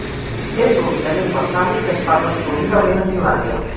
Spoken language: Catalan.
És l'única llengua sami que es parla exclusivament a Finlàndia.